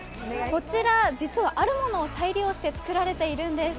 こちら、実はあるものを再利用して作られているんです。